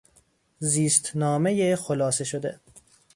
زیستنامهی خلاصه شده